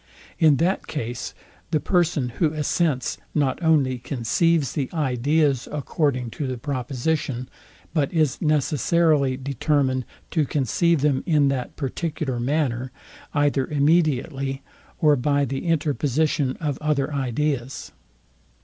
In that case, the person, who assents, not only conceives the ideas according to the proposition, but is necessarily determined to conceive them in that particular manner, either immediately or by the interposition of other ideas.